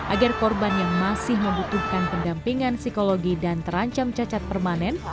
agar korban yang masih membutuhkan pendampingan psikologi dan terancam cacat permanen